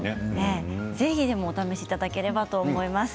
ぜひお試しいただければと思います。